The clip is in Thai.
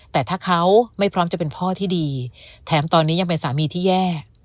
แต่ถ้าเขาไม่พร้อมจะเป็นพ่อที่ดีแถมตอนนี้ยังเป็นสามีที่แย่